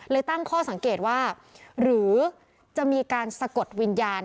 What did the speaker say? ตั้งข้อสังเกตว่าหรือจะมีการสะกดวิญญาณ